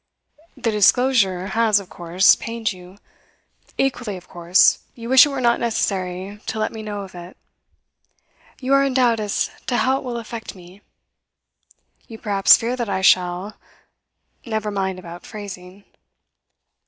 'The disclosure has, of course, pained you. Equally, of course, you wish it were not necessary to let me know of it; you are in doubt as to how it will affect me; you perhaps fear that I shall never mind about phrasing.